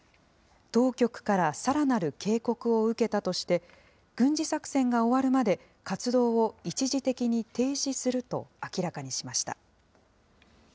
当局からさらなる警告を受けたとして、軍事作戦が終わるまで、活動を一時的に停止すると明らかにしました。